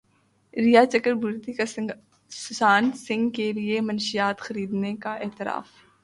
ریا چکربورتی کا سشانت سنگھ کے لیے منشیات خریدنے کا اعتراف